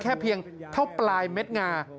เพียงเท่าปลายเม็ดงา